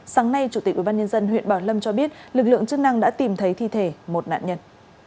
sáng nay chủ tịch ubnd huyện bảo lâm cho biết lực lượng chức năng đã tìm thấy thi thể một nạn nhân